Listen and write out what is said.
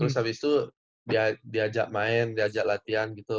terus habis itu diajak main diajak latihan gitu